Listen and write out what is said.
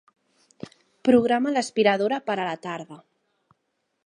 Programa l'aspiradora per a la tarda.